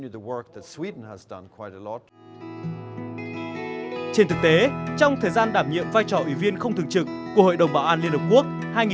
trên thực tế trong thời gian đảm nhiệm vai trò ủy viên không thường trực của hội đồng bảo an liên hợp quốc hai nghìn tám hai nghìn chín